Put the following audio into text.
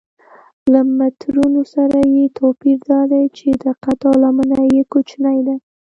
له مترونو سره یې توپیر دا دی چې دقت او لمنه یې کوچنۍ ده.